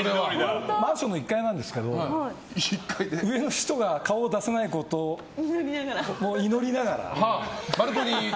マンションの１階なんですけど上の人が顔を出さないことをいのりながら。